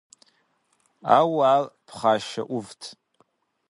Ауэ ар пхъашэ Ӏувт.